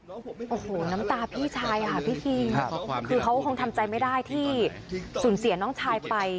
โอ้โหน้ำตาพี่ชายค่ะพี่คิงคือเขาคงทำใจไม่ได้ที่สูญเสียน้องชายไป